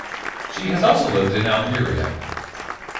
She has also lived in Algeria.